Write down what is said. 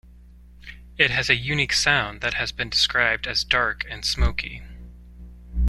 It has a unique sound that has been described as "dark and smokey".